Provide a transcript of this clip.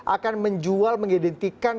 akan menjual mengidentikan